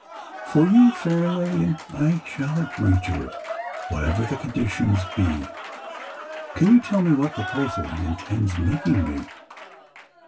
"For you, fair Lilian, I shall agree to it whatever the conditions be. Can you tell me what proposal he intends making me?"